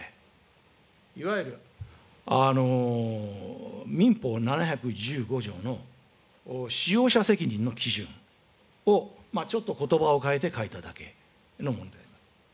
これはいわゆる民法７１５条の使用者責任の基準を、ちょっとことばを変えて書いただけのものであります。